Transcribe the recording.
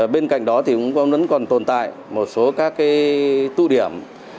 bên cạnh đó thì cũng vẫn còn tồn tại một số các tụ điểm